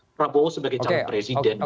prabowo sebagai calon presiden